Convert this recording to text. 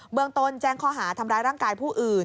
เมืองต้นแจ้งข้อหาทำร้ายร่างกายผู้อื่น